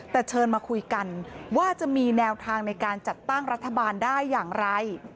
แต่เชิญมาคุยกันว่าจะมีแนวทางในการจัดตั้งรัฐบาลได้อย่างไร